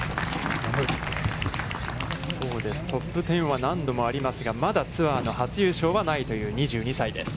トップ１０は何度もありますが、まだツアーの初優勝はないという２２歳です。